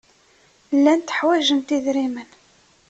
Llant ḥwajent idrimen.